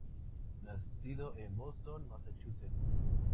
Nacido en Boston, Massachusetts.